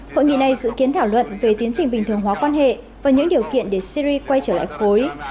hội nghị này dự kiến thảo luận về tiến trình bình thường hóa quan hệ và những điều kiện để syri quay trở lại khối